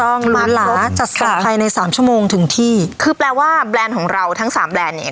ต้องหรูหราจัดสบายใน๓ชั่วโมงถึงที่คือแปลว่าแบรนด์ของเราทั้ง๓แบรนด์เนี่ย